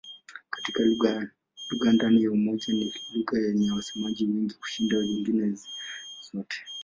Kati ya lugha ndani ya Umoja ni lugha yenye wasemaji wengi kushinda nyingine zote.